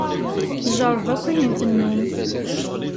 Tjerreb akk ayen tennum.